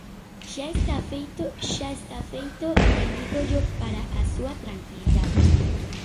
Xa está feito, xa está feito, e dígollo para a súa tranquilidade.